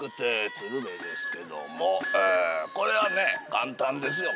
鶴瓶ですけどもこれはね簡単ですよ。